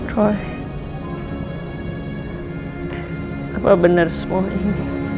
roh apa benar semua ini